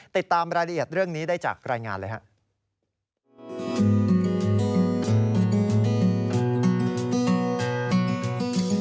ติดตามรายละเอียดเรื่องนี้ได้จากรายงานเลยครับ